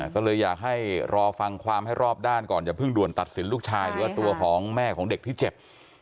ก็เลยอยากให้รอฟังความให้รอบด้านก่อนอย่าเพิ่งด่วนตัดสินลูกชายหรือว่าตัวของแม่ของเด็กที่เจ็บ